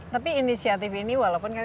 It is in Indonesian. tapi inisiatif ini walaupun